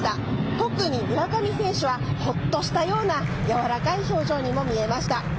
特に村上選手はほっとしたようなやわらかい表情にも見えました。